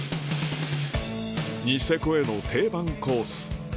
ニセコへの定番コース